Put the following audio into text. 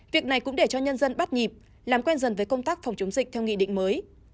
việc này cũng để cho nhân dân bắt nhịp làm quen dần với công tác phòng chống dịch theo nghị định mới